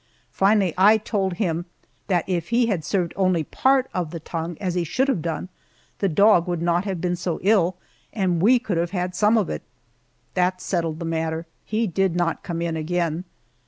Finally, I told him that if he had served only part of the tongue, as he should have done, the dog would not have been so ill, and we could have had some of it. That settled the matter he did not come in again.